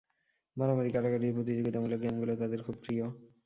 মারামারি কাটাকাটির প্রতিযোগিতামূলক গেমগুলো তাদের খুব প্রিয়।